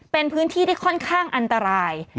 เป็นพื้นที่ที่ค่อนข้างอันตราย